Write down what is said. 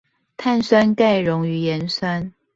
碳酸鈣溶於鹽酸